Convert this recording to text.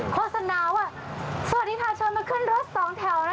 โฆษณาว่าสวัสดีค่ะชนมาขึ้นรถสองแถวนะ